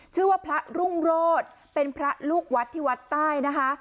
ชื่อว่าพระรุ่งโรธเป็นพระลูกวัดที่วัดใต้นะคะ